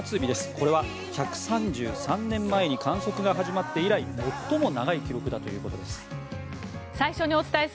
これは１３３年前に観測が始まって以来最も長い記録だということです。